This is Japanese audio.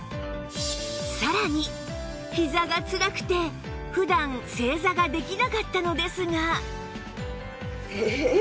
さらにひざがつらくて普段正座ができなかったのですが